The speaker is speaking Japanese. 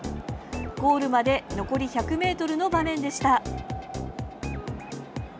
ゴールまで残り１００ｍの場面でした。